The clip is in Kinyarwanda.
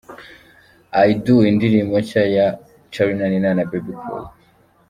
I Do, indirimbo nshya ya Charly&Nina na Bebe Cool.